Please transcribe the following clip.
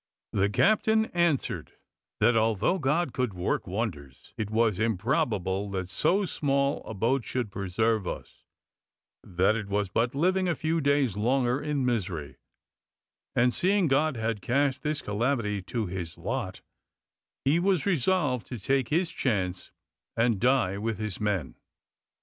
The captain answered, that, although God could work wonders, it was improbable that so small a boat should preserve us; that it was but living a few days longer in misery; and, seeing God had cast this calamity to his lot, he was resolved to take his chance and die with his men.